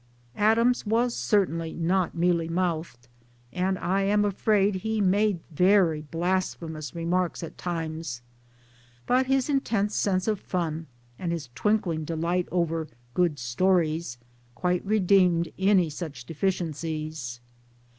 * Adams was certainly not mealy mouthed^ and I am afraid he made very blasphemous remarks at times, but his intense sense of fun and his twinkling delight over * good stories ' quite redeemed any such deficiencies.